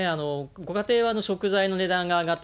ご家庭は食材の値段が上がった、